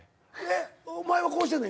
お前はこうしてんの？